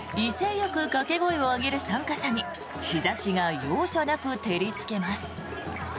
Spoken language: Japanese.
よく掛け声を上げる参加者に日差しが容赦なく照りつけます。